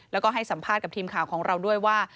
แล้วก็ให้สัมภาษณ์กับทีมข่าวของเราด้วยว่า